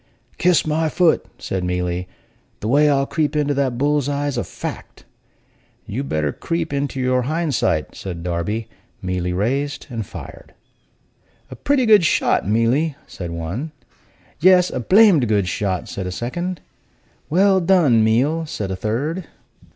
"Kiss my foot!" said Mealy. "The way I'll creep into that bull's eye's a fact." "You'd better creep into your hind sight," said Darby. Mealy raised and fired. "A pretty good shot, Mealy!" said one. "Yes, a blamed good shot!" said a second. "Well done, Meal!" said a third.